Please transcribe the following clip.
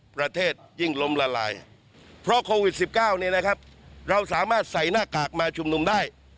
เพราะโควิด๑๙นี้นะครับเราสามารถใส่หน้ากากมาชุมนุมได้